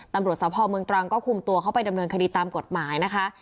ตำรวจสภเมืองตรังก็คุมตัวเขาไปดำเนินคดีตามกฎหมายนะคะ